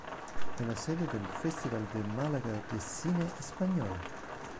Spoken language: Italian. È la sede del Festival de Málaga de Cine Español.